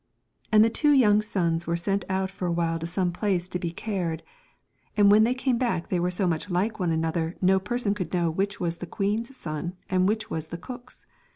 no Moral. And the two young sons were sent out for a while to some place to be cared, and when they came back they were so much like one another no person could know which was the queen's son and which was the cook's.